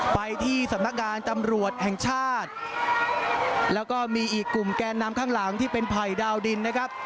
ไปที่สำนักงานตำรวจแห่งชาติแล้วก็มีอีกกลุ่มแกนนำข้างหลังที่เป็นภัยดาวดินนะครับ